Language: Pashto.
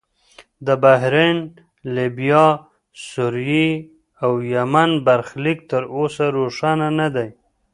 د بحرین، لیبیا، سوریې او یمن برخلیک تر اوسه روښانه نه دی.